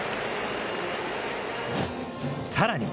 さらに。